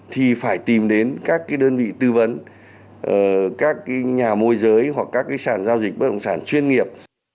thì phải tìm đến các cái đơn vị tư vấn các nhà môi giới hoặc các cái sản giao dịch bất động sản chuyên nghiệp